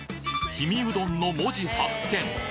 氷見うどんの文字発見！